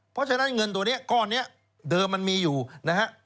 เพราะฉะนั้นเงินตัวนี้ก้อนนี้เดิมมันมีอยู่นะฮะ